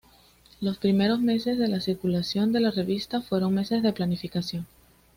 Los primeros meses de la circulación de la revista fueron meses de planificación.